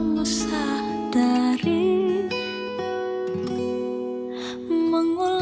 aku akan buangmu ngayini